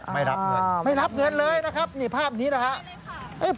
ไม่รับเงินเลยนะครับนี่ภาพนี้นะครับ